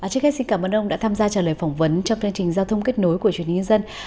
trên kết xin cảm ơn ông đã tham gia trả lời phỏng vấn trong chương trình giao thông kết nối của chuyên nhân dân